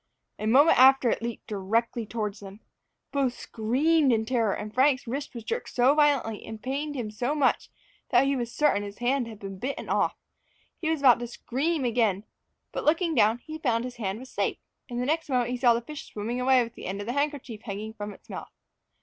A moment after it leaped directly towards them. Both screamed with terror, and Frank's wrist was jerked so violently, and pained him so much, that he was certain his hand had been bitten off. He was about to scream again; but looking down, he found his hand was safe, and the next moment saw the fish swimming away with the end of the handkerchief hanging from its mouth.